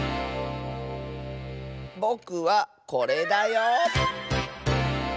ぼくはこれだよ！